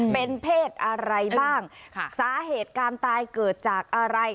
เป็นเพศอะไรบ้างสาเหตุการตายเกิดจากอะไร